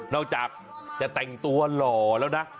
อกจากจะแต่งตัวหล่อแล้วนะ